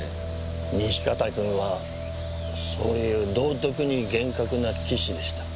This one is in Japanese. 西片君はそういう道徳に厳格な棋士でした。